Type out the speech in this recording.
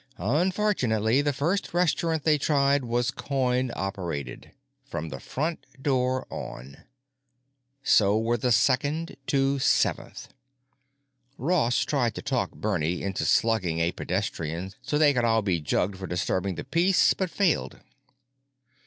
Unfortunately the first restaurant they tried was coin operated—from the front door on. So were the second to seventh. Ross tried to talk Bernie into slugging a pedestrian so they could all be jugged for disturbing the peace, but failed.